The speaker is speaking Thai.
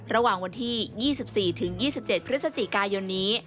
ระหว่างวันที่๒๔ถึง๒๗พฤศจิกายนนี้